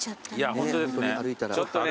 ホントですね。